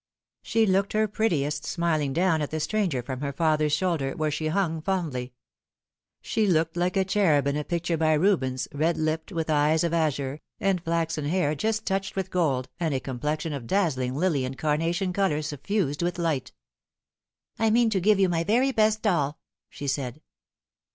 She looked her prettiest, smiling down at the stranger from her father's shoul der, where she hung fondly. She looked like a cherub in a picture by Rubens, red lipped, with eyes of azure, and flaxen hair just touched with gold, and a complexion of dazzling lily and carnation colour suffused with light. " I mean to give you my very best doll," she said.